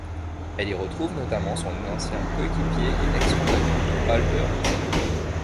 Elle y retrouve notamment son ancien coéquipier et ex-compagnon Al Burns.